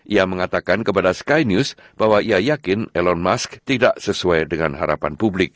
ia mengatakan kepada skin news bahwa ia yakin elon musk tidak sesuai dengan harapan publik